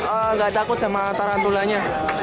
enggak takut sama tarantulanya